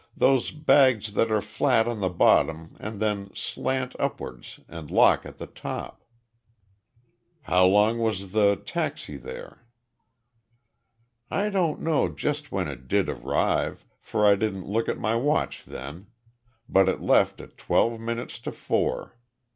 Those bags that are flat on the bottom and then slant upward and lock at the top." "How long was the taxi there?" "I don't know just when it did arrive, for I didn't look at my watch then, but it left at twelve minutes to four.